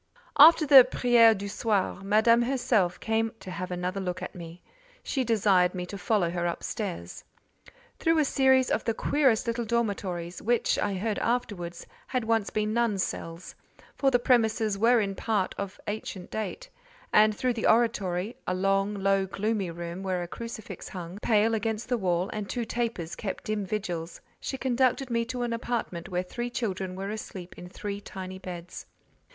After the "prière du soir," Madame herself came to have another look at me. She desired me to follow her up stairs. Through a series of the queerest little dormitories—which, I heard afterwards, had once been nuns' cells: for the premises were in part of ancient date—and through the oratory—a long, low, gloomy room, where a crucifix hung, pale, against the wall, and two tapers kept dim vigils—she conducted me to an apartment where three children were asleep in three tiny beds.